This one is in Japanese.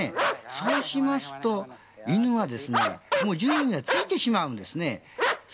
そうしますと犬は順位がついてしまうんですね。